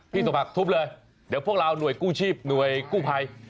สมผักทุบเลยเดี๋ยวพวกเราหน่วยกู้ชีพหน่วยกู้ภัย